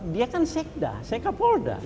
dia kan sekda sekapolda